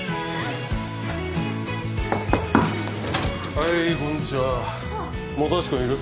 はいこんにちは本橋くんいる？